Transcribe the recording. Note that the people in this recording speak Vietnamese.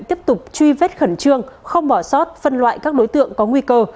tiếp tục truy vết khẩn trương không bỏ sót phân loại các đối tượng có nguy cơ